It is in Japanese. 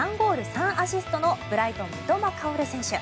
３アシストのブライトン、三笘薫選手。